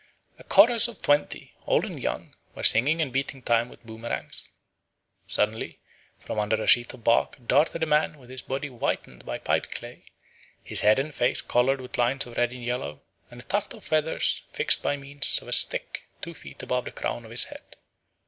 "A chorus of twenty, old and young, were singing and beating time with boomerangs. ... Suddenly, from under a sheet of bark darted a man with his body whitened by pipeclay, his head and face coloured with lines of red and yellow, and a tuft of feathers fixed by means of a stick two feet above the crown of his head.